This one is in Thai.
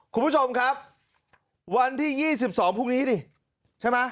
คุณผู้ชมครับวันที่๒๒พรุ่งนี้ดิใช่ไหม